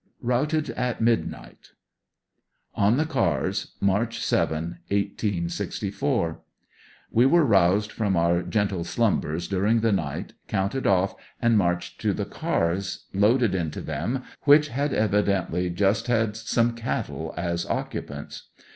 Routed at Midnight. On the Cars, March 7, 1864. — We were roused from our gen tle slumbers during the night, counted off and marched to the cars, loaded into them, which had evidently just had some cattle as occupants.